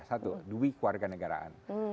satu duit kewarganegaraan